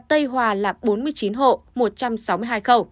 tây hòa là bốn mươi chín hộ một trăm sáu mươi hai khẩu